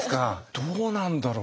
どうなんだろう。